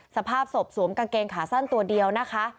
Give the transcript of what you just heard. สภาพศพสวมกางเกงขาสั้นตัวเดียวนะคะ